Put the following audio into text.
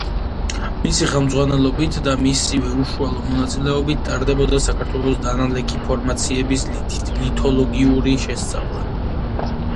მისი ხელმძღვანელობით და მისივე უშუალო მონაწილეობით ტარდებოდა საქართველოს დანალექი ფორმაციების ლითოლოგიური შესწავლა.